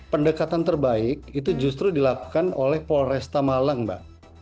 pendekatan terbaik itu justru dilakukan oleh polresta malang mbak